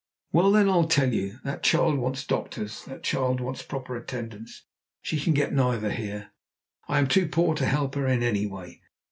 "Well, then, I'll tell you. That child wants doctors; that child wants proper attendance. She can get neither here. I am too poor to help her in any way.